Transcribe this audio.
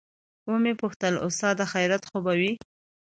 ومې پوښتل استاده خيريت خو به وي.